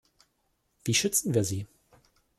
Wie schützen wir sie?